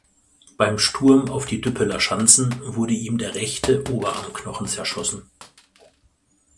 Beim Sturm auf die Düppeler Schanzen wurde ihm der rechte Oberarmknochen zerschossen.